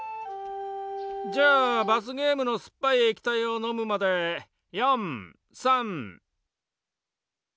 じゃあ罰ゲームのすっぱい液体を飲むまで４３。